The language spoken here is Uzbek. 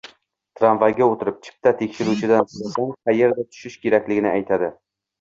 Tramvayga o`tirib, chipta tekshiruvchidan so`rasang, qaerda tushish kerakligini aytadi